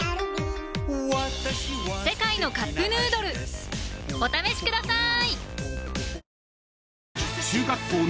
「世界のカップヌードル」お試しください！